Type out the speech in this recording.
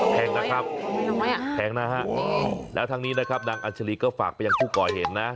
แพงนะครับแพงนะฮะแล้วทางนี้นะครับนางอัชรีก็ฝากไปยังผู้ก่อเหตุนะ